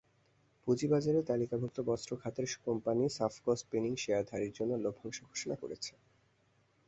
পুঁজিবাজারে তালিকাভুক্ত বস্ত্র খাতের কোম্পানি সাফকো স্পিনিং শেয়ারধারীদের জন্য লভ্যাংশ ঘোষণা করেছে।